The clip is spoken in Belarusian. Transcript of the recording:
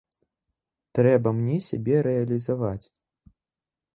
Трэба мне сябе рэалізаваць.